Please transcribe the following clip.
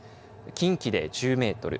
近畿で１０メートル